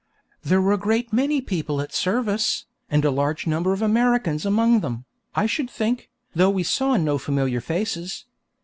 "] There were a great many people at service, and a large number of Americans among them, I should think, though we saw no familiar faces.